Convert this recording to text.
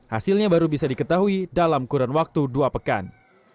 hasilnya baru bisa diketahui dalam kurun waktu dua pekan